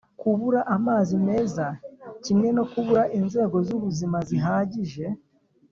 kubura amazi meza, kimwe no kubura inzego z'ubuzima zihagije.